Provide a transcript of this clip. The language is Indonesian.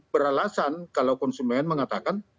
beralasan kalau konsumen mengatakan